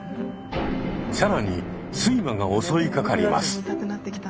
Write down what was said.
更に睡魔が襲いかかります。